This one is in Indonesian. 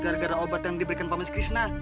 gara gara obat yang diberikan pak mas krishna